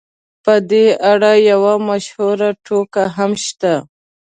په دې اړه یوه مشهوره ټوکه هم شته.